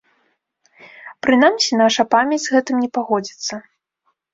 Прынамсі, наша памяць з гэтым не пагодзіцца.